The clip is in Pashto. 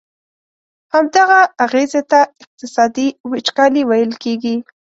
همدغه اغیزي ته اقتصادي وچکالي ویل کیږي.